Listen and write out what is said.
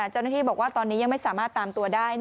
เจ้าหน้าที่บอกว่าตอนนี้ยังไม่สามารถตามตัวได้